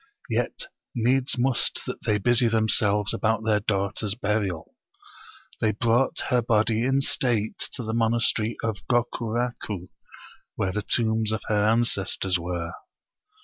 Yet needs must that they busy themselves about their daughter's burial. They brought her body in state to the monastery of Gokuraku, where the tombs of her ances tors were.